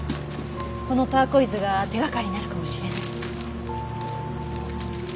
このターコイズが手掛かりになるかもしれない。